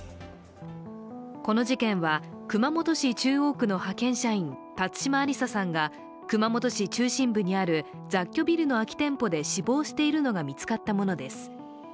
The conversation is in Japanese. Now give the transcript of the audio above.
この事件は熊本市中央区の派遣社員辰島ありささんが熊本市中心部にある雑居ビルの空き店舗で死亡しているのが見つかったものです。